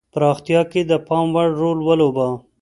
پراختیا کې د پاموړ رول لوباوه.